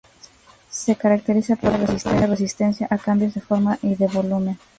Se caracteriza porque opone resistencia a cambios de forma y de volumen.